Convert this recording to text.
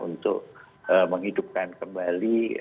untuk menghidupkan kembali